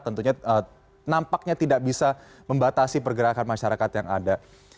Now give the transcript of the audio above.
tentunya nampaknya tidak bisa membatasi pergerakan masyarakat yang ada